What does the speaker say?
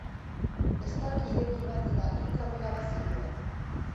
Estalki ireki bat eta hil kamera bat zituen.